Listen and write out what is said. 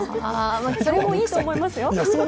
それもいいと思いますよ。